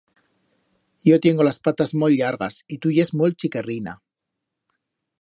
Yo tiengo las patas molt llargas y tu yes molt chiquerrina.